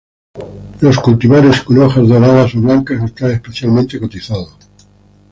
Los cultivares con hojas doradas o blancas están especialmente cotizados.